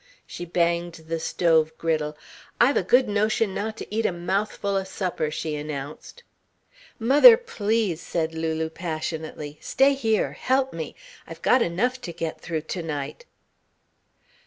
She banged the stove griddle. "I've a good notion not to eat a mouthful o' supper," she announced. "Mother, please!" said Lulu passionately. "Stay here. Help me. I've got enough to get through to night."